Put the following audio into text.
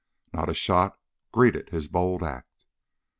Not a shot greeted his bold act.